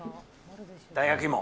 大学芋。